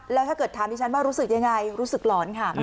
แล้วถ้าเกิดถามดิฉันว่ารู้สึกยังไงรู้สึกหลอนค่ะ